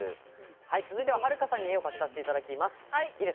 続いては、はるかさんに絵を描き足していただきます。